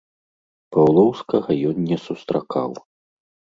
Паўлоўскага ён не сустракаў.